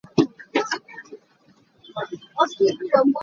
Hmai ah kaar khat kal tuah.